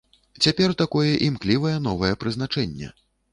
Цяпер такое імклівае новае прызначэнне.